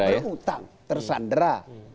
dia ini kan berhutang tersandra